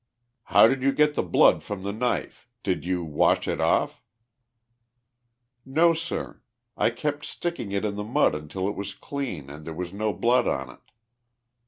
u How did you get the blood from the knife ; did you wash it off ?" u Xo, sir. T kept sticking it in the mud until it was clean and there was no blood on it."